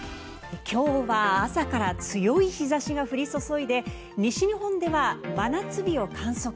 今日は朝から強い日差しが降り注いで西日本では真夏日を観測。